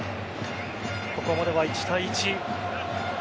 ここまでは１対１。